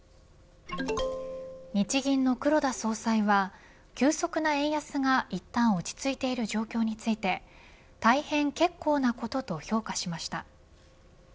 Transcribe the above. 日銀の黒田総裁は急速な円安がいったん落ち着いている状況について大変結構なことと評価しました。